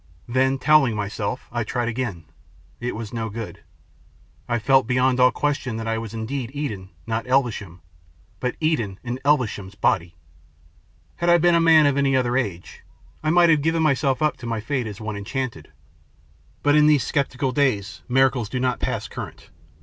Then, towel ling myself, 1 tried again. It was no good. I felt beyond all question that I was indeed Eden, not Elvesham. But Eden in Elvesham's body ! Had I been a man of any other age, I might have given myself up to my fate as one enchanted. But in these sceptical days miracles do not pass current.